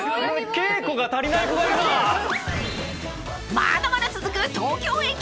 ［まだまだ続く東京駅］